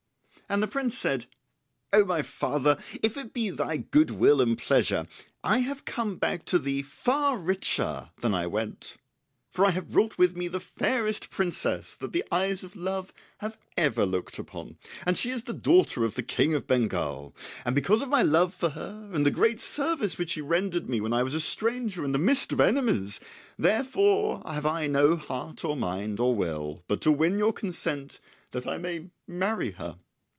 And the prince said, "O my father, if it be thy good will and pleasure, I have come back to thee far richer than I went. For I have brought with me the fairest princess that the eyes of love have ever looked upon, and she is the daughter of the King of Bengal; and because of my love for her and the great service which she rendered me when I was a stranger in the midst of enemies, therefore have I no heart or mind or will but to win your consent that I may marry her."